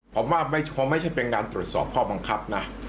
ผมว่าคงไม่ใช่เป็นการตรวจสอบข้อบังคับนะ